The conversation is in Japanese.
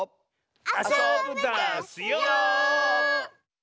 あそぶダスよ！